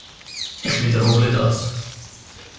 Ich wiederhole das.